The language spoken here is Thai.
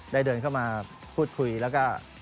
เดินเข้ามาพูดคุยแล้วก็